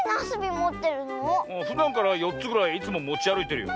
ふだんから４つぐらいいつももちあるいてるよ。